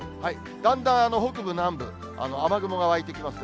だんだん北部、南部、雨雲が湧いてきますね。